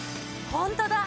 ホントだ！